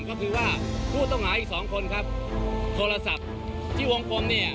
แป๊บเดียวเขาขี่มาความมิสรรค์ตามภาพเรื่องผมนี้